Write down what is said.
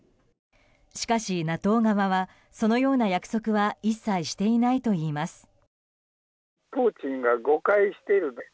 しかしＮＡＴＯ側はそのような約束は一切していないといいます。